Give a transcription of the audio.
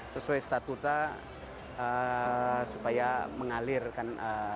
sesuai statuta supaya mengalir kan